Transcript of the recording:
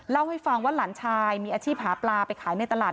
เล่าให้ฟังว่าหลานชายมีอาชีพหาปลาไปขายในตลาด